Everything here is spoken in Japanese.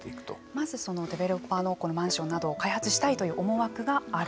まずデベロッパーのマンションなどを開発したという思惑がある。